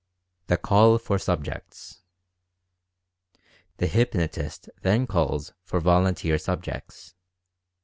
THE CALL FOR SUBJECTS. The hypnotist then calls for volunteer subjects.